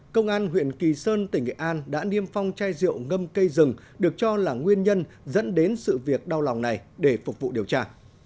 công an huyện kỳ sơn tỉnh nghệ an đã niêm phong chai rượu ngâm cây rừng được cho là nguyên nhân dẫn đến sự việc đau lòng này để phục vụ điều tra